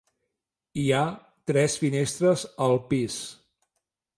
Hi ha tres finestres al pis.